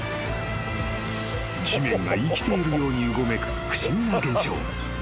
［地面が生きているようにうごめく不思議な現象］